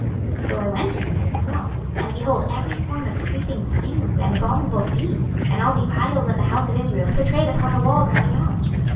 26:008:010 So I went in and saw; and behold every form of creeping things, and abominable beasts, and all the idols of the house of Israel, pourtrayed upon the wall round about.